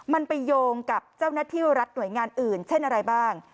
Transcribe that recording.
มันไปโยงกับเจ้าหน้าที่รัฐหน่วยงานอื่นเช่นอะไรบ้าง